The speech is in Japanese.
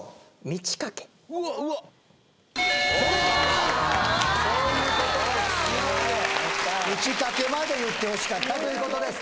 満ち欠けまで言ってほしかったということです